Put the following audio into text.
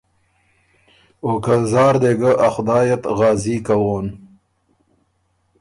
او که زار دې ګۀ ا خدائ ات غازي کوون۔